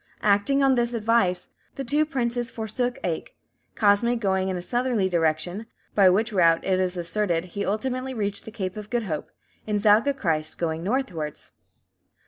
Acting on this advice, the two princes forsook Aich; Cosme going in a southerly direction, by which route, it is asserted, he ultimately reached the Cape of Good Hope; and Zaga Christ going northwards.